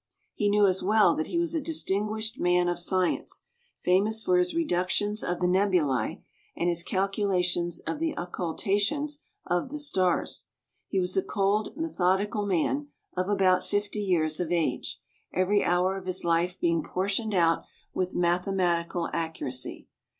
He knew, as well, that he was a distinguished man of science, famous for his reductions of the nebulae and his calculations of the occupations of the stars. He was a cold, methodical man, of about fifty years of age, every hour of his life being portioned out with mathematical accuracy.